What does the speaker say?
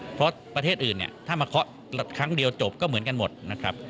เพราะประเทศอื่นเนี่ยถ้ามาเคาะครั้งเดียวจบก็เหมือนกันหมดนะครับ